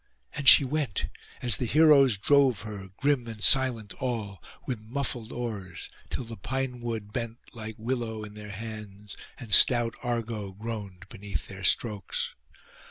And she went, as the heroes drove her, grim and silent all, with muffled oars, till the pine wood bent like willow in their hands, and stout Argo groaned beneath their strokes.